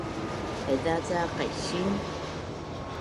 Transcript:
Haiza ca qaising?